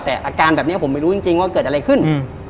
แต่อาการแบบนี้ผมไม่รู้จริงจริงว่าเกิดอะไรขึ้น